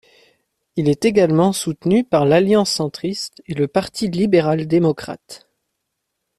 Il est également soutenu par l'Alliance centriste et le Parti libéral démocrate.